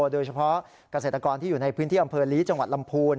โดยเฉพาะเกษตรกรที่อยู่ในพื้นที่อำเภอลีจังหวัดลำพูน